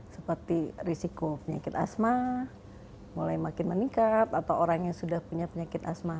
seperti risiko penyakit asma mulai makin meningkat atau orang yang sudah punya penyakit asma